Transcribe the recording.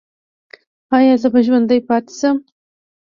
ایا زه به ژوندی پاتې شم؟